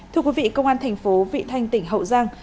thưa quý vị công an thành phố vị thanh tỉnh hậu giang